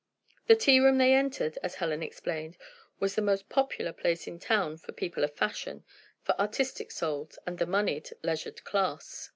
The tea room they entered, as Helen explained, was the most popular place in town for people of fashion, for artistic souls, and the moneyed, leisure class.